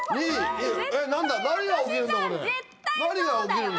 何だ何が起きるの？